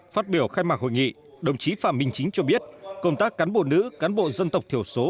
phát biểu khai mạc hội nghị đồng chí phạm minh chính cho biết công tác cán bộ nữ cán bộ dân tộc thiểu số